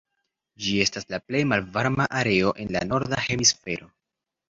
Ĝi estas la plej malvarma areo en la norda hemisfero.